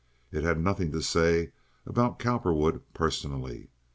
It had nothing to say about Cowperwood personally.